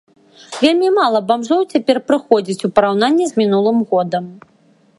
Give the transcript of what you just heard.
Вельмі мала бамжоў цяпер прыходзіць, ў параўнанні з мінулым годам.